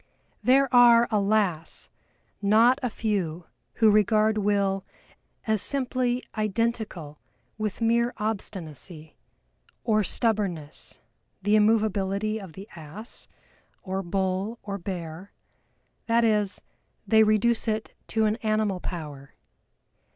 There are, alas! not a few who regard Will as simply identical with mere obstinacy, or stubbornness, the immovability of the Ass, or Bull, or Bear that is, they reduce it to an animal power.